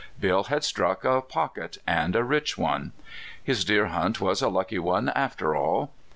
Bill had struck a " pocket," and a rich one. His deer hunt was a lucky one after all.